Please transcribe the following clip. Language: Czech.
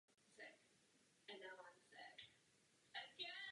Okres sousedí s Bavorskem.